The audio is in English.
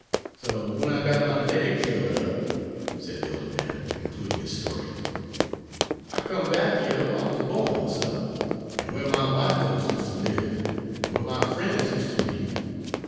"So w'en I got my laig kyo'ed up," said the old man, concluding his story, "I come back hyuh whar I wuz bo'n, suh, and whar my w'ite folks use' ter live, an' whar my frien's use' ter be.